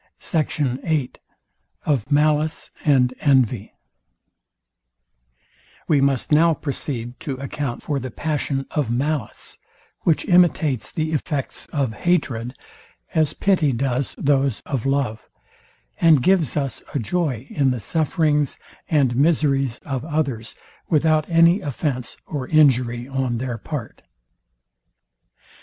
SECT. VIII OF MALICE AND ENVY We must now proceed to account for the passion of malice, which imitates the effects of hatred, as pity does those of love; and gives us a joy in the sufferings and miseries of others, without any offence or injury on their part.